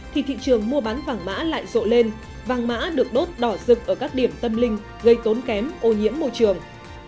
thì thị trường mua bán vàng mã lại rộ lên vàng mã được đốt đỏ rực ở các điểm tâm linh gây tốn kém ô nhiễm môi trường